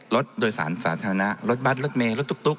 รถโดยสารสาธารณะรถบัตรรถเมย์รถตุ๊ก